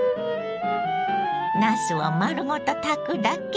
なすを丸ごと炊くだけ。